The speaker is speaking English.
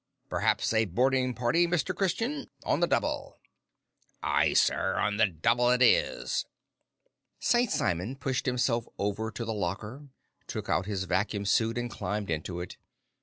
"Perhaps a boarding party, Mr. Christian! On the double!" "Aye, sir! On the double it is, sir!" St. Simon pushed himself over to the locker, took out his vacuum suit, and climbed into it.